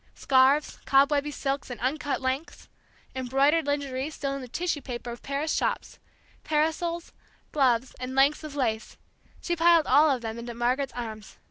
Scarves, cobwebby silks in uncut lengths, embroidered lingerie still in the tissue paper of Paris shops, parasols, gloves, and lengths of lace, she piled all of them into Margaret's arms.